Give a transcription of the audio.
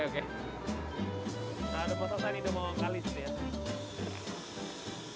nah udah pasok tadi ini udah mau kalis